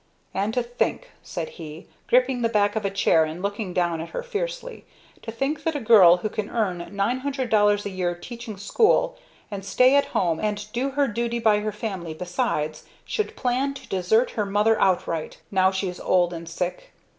"And to think," said he, gripping the back of a chair and looking down at her fiercely, "to think that a girl who can earn nine hundred dollars a year teaching school, and stay at home and do her duty by her family besides, should plan to desert her mother outright now she's old and sick!